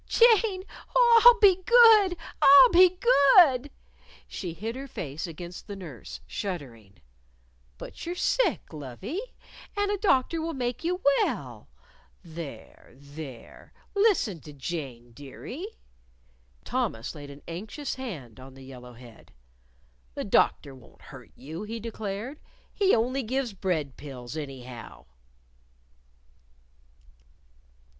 "Jane! Oh, I'll be good! I'll be good!" She hid her face against the nurse, shuddering. "But you're sick, lovie. And a doctor would make you well. There! There! Listen to Jane, dearie." Thomas laid an anxious hand on the yellow head. "The doctor won't hurt you," he declared. "He only gives bread pills, anyhow."